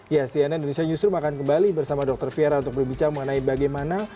ya cnn indonesia newsroom akan kembali bersama dokter fira untuk berbicara mengenai bagaimana